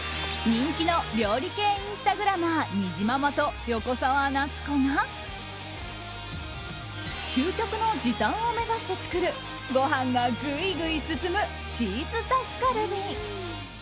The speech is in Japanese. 人気の料理系インスタグラマーにじままと横澤夏子が究極の時短を目指して作るご飯がぐいぐい進むチーズタッカルビ。